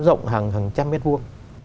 nó rộng hàng trăm mét vuông